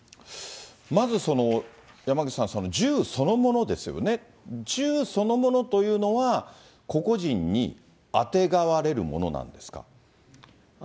まず、山口さん、銃そのものですよね、銃そのものというのは、個々人にあてがわれるものなんですか。